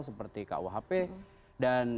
seperti kuhp dan